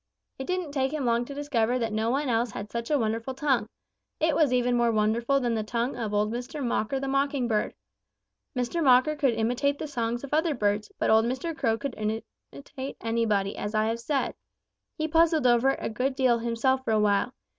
It didn't take him long to discover that no one else had such a wonderful tongue. It was even more wonderful than the tongue of old Mr. Mocker the Mocking Bird. Mr. Mocker could imitate the songs of other birds, but old Mr. Crow could imitate anybody, as I have said. He puzzled over it a good deal himself for a while.